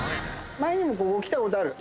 前ここ来たことある。